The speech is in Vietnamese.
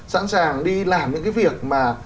sẵn sàng đi làm những cái việc